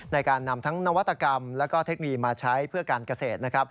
ในการนำทั้งนวัตกรรมแล้วก็เทคนีมาใช้เพื่อการเกษตร